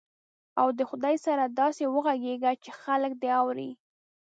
او د خدای سره داسې وغږېږه چې خلک دې اوري.